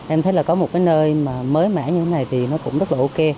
em thấy có một nơi mới mẻ như thế này thì cũng rất là ok